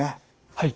はい。